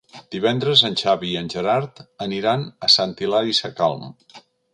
Divendres en Xavi i en Gerard aniran a Sant Hilari Sacalm.